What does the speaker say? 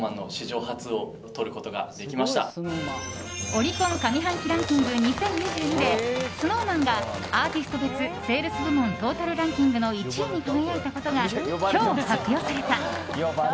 オリコン上半期ランキング２０２２でＳｎｏｗＭａｎがアーティスト別セールス部門トータルランキングの１位に輝いたことが今日、発表された。